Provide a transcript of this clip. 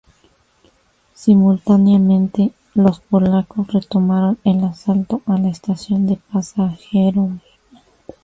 Simultáneamente, los polacos retomaron el asalto a la estación de pasajeros.